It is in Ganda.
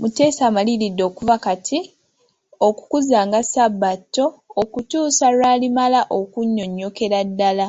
Muteesa amaliridde okuva kati, okukuzanga Sabbato okutuusa lw'alimala okunnyonnyokera ddala.